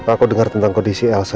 aku dengar tentang kondisi elsa